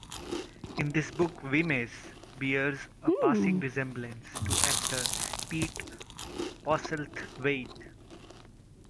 In this book Vimes bears a passing resemblance to actor Pete Postlethwaite.